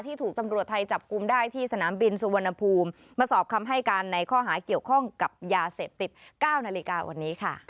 ถูกตำรวจไทยจับกลุ่มได้ที่สนามบินสุวรรณภูมิมาสอบคำให้การในข้อหาเกี่ยวข้องกับยาเสพติด๙นาฬิกาวันนี้ค่ะ